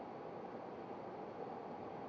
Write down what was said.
ขอบคุณทุกคน